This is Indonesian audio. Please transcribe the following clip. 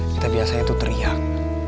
kita biasanya tuh teriak